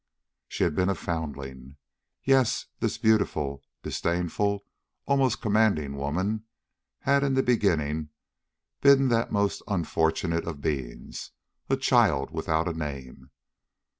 She had been a foundling. Yes, this beautiful, disdainful, almost commanding woman, had in the beginning been that most unfortunate of beings a child without a name.